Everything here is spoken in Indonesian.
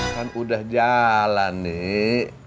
kan udah jalan nih